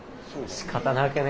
しかたなくね？